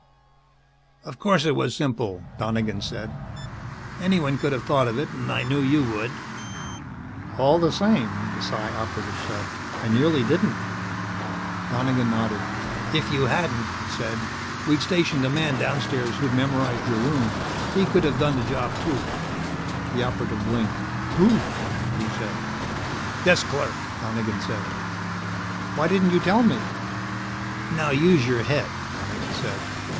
"Of course it was simple," Donegan said. "Anyone could have thought of it and I knew you would." "All the same," the Psi Operative said, "I nearly didn't." Donegan nodded. "If you hadn't," he said, "we'd stationed a man downstairs who'd memorized your room. He could have done the job, too." The Operative blinked. "Who?" he said. "Desk clerk," Donegan said. "Why didn't you tell me " "Now, use your head," Donegan said.